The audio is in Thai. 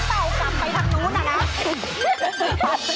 หมายถึงเป่ากลับไปทางนู้นน่ะนะ